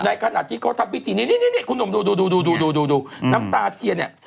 ในขณะที่เขาทำวิธีนี้นี่นี่นี่คุณหนุ่มดูดูดูดูดูดูดูน้ำตาเทียเนี้ย